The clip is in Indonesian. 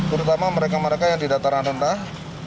terutama mereka mereka yang di dataran rendah